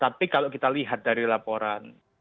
tapi kalau kita lihat dari laporan